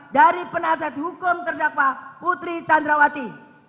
dari penasihat hukum terdakwa putri candrawati